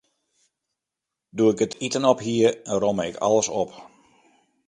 Doe't ik it iten op hie, romme ik alles op.